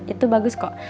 itu bagus kok